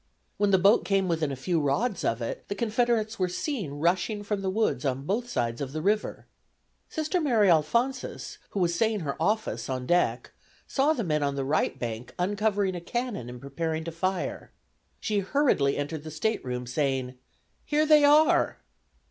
When the boat came within a few rods of it the Confederates were seen rushing from the woods on both sides of the river. Sister M. Alphonsus, who was saying her office on deck, saw the men on the right bank uncovering a cannon and preparing to fire. She hurriedly entered the state room, saying: "Here they are!"